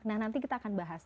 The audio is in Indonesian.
nah nanti kita akan bahas